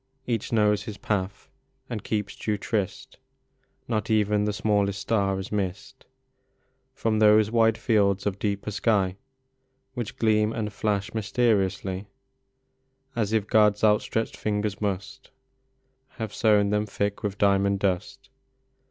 Each knows his path and keeps due tryst ; Not even the smallest star is missed From those wide fields of deeper sky Which gleam and flash mysteriously, As if God s outstretched fingers must Have sown them thick with diamond dust.